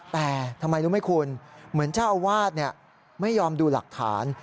แต่ทำไมรู้ไหมคุณเหมือนเจ้าอาวาสไม่ยอมดูหลักฐาน